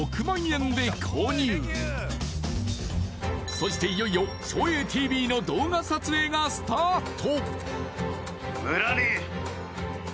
そしていよいよ照英ＴＶの動画撮影がスタート